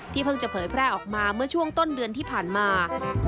เพิ่งจะเผยแพร่ออกมาเมื่อช่วงต้นเดือนที่ผ่านมา